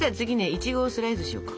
イチゴをスライスしようか。